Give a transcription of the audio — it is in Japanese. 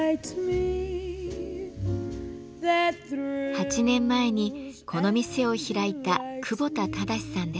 ８年前にこの店を開いた久保田直さんです。